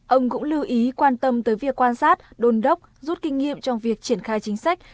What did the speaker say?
ông cũng lưu ý quan tâm tới việc quan sát đôn đốc rút kinh nghiệm trong việc triển khai chính sách